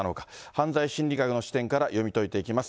犯罪心理学の視点から読み解いていきます。